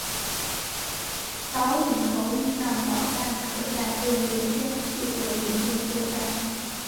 导引头亦让导弹可在恶劣天气或夜间作战。